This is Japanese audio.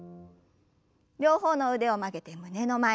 両方の腕を曲げて胸の前に。